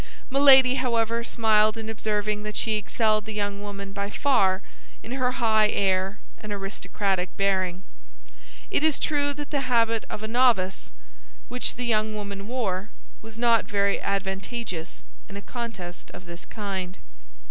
Milady, however, smiled in observing that she excelled the young woman by far in her high air and aristocratic bearing. It is true that the habit of a novice, which the young woman wore, was not very advantageous in a contest of this kind.